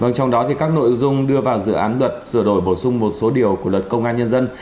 trong đó các nội dung đưa vào dự án luật sửa đổi bổ sung một số điều của luật công an nhân dân